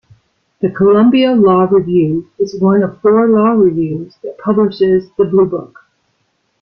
The "Columbia Law Review" is one of four law reviews that publishes the "Bluebook".